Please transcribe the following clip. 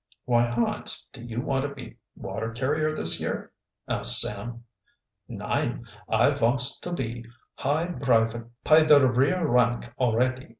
"Why, Hans, do you want to be water carrier this year?" asked Sam. "Nein, I vonts to be high brivate py der rear rank alretty.